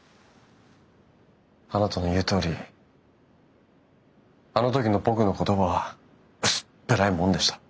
あなたの言うとおりあの時の僕の言葉は薄っぺらいもんでした。